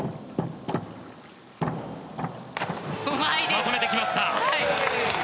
まとめてきました！